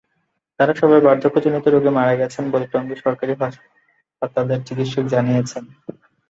তাঁরা সবাই বার্ধক্যজনিত রোগে মারা গেছেন বলে টঙ্গী সরকারি হাসপাতালের চিকিৎসক জানিয়েছেন।